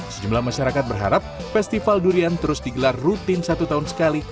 sejumlah masyarakat berharap festival durian terus digelar rutin satu tahun sekali